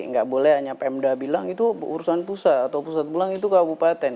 nggak boleh hanya pemda bilang itu urusan pusat atau pusat pulang itu kabupaten